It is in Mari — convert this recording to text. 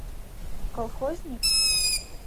— Колхозник?!